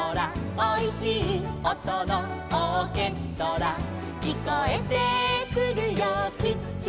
「おいしいおとのオーケストラ」「きこえてくるよキッチンから」